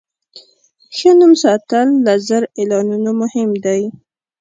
ښه نوم ساتل له زر اعلانونو مهم دی.